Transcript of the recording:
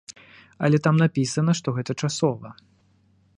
Але там напісана, што гэта часова.